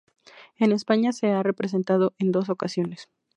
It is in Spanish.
En España se ha representado en dos ocasiones.